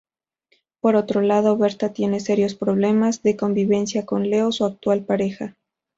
Por otro lado, Berta tiene serios problemas de convivencia con Leo, su actual pareja.